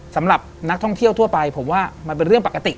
สำหรับนักท่องเที่ยวทั่วไปผมว่ามันเป็นเรื่องปกติ